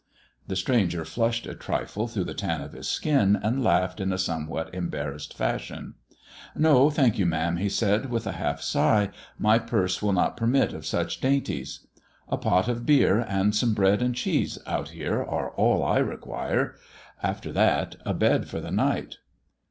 The stranger flushed a trifle through the tan of his skin, and laughed in a somewhat embarrassed fashion. " No, thank you, ma'am," he said, with a half sigh, " my purse will not permit of such dainties. A pot of beer and some bread and cheese out here are all I require. After that a bed for the nighrt."